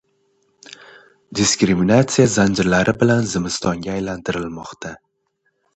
diskriminatsiya zanjirlari bilan zimistonga aylantirilmoqda.